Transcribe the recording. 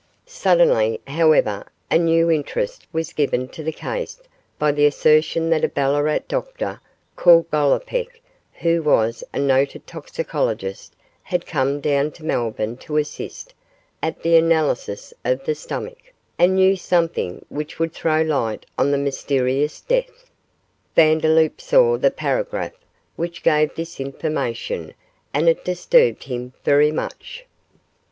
Suddenly, however, a new interest was given to the case by the assertion that a Ballarat doctor, called Gollipeck, who was a noted toxicologist, had come down to Melbourne to assist at the analysis of the stomach, and knew something which would throw light on the mysterious death. Vandeloup saw the paragraph which gave this information, and it disturbed him very much.